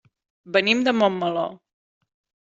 Venim de Montmeló.